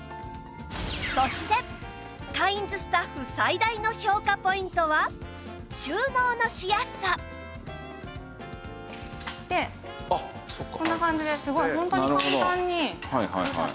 そしてカインズスタッフ最大の評価ポイントは収納のしやすさ！でこんな感じですごいホントに。